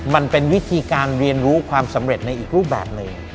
มันเป็นวิธีการเรียนรู้ความสำเร็จในอีกรูปแบบหนึ่ง